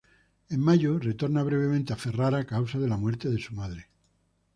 En mayo retorna brevemente a Ferrara a causa de la muerte de su madre.